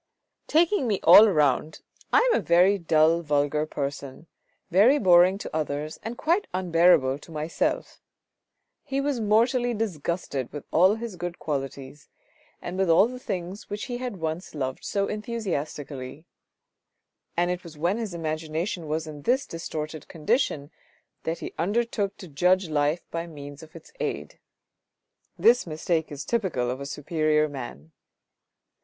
" Taking me all round I am a very dull, vulgar person, very boring to others and quite unbearable to myself." He was mortally disgusted with all his good qualities, and with all the things which he had once loved so enthusiastically ; and it was when his imagination was in this distorted condition that he undertook to judge life by means of its aid. This mistake is typical of a superior man.